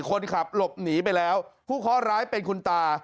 คนขับหลบหนีไปแล้วผู้เคาะร้ายเป็นคุณตา